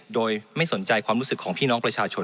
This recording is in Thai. โดยไม่สนใจความรู้สึกของพี่น้องประชาชน